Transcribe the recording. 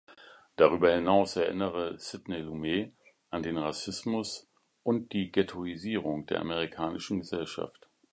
Darüber hinaus erinnere Sidney Lumet an den Rassismus und die Ghettoisierung der amerikanischen Gesellschaft.